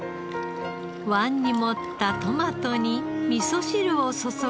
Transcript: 椀に盛ったトマトに味噌汁を注ぎ。